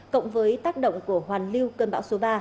cộng với tác động của hoàn lưu cơn bão số ba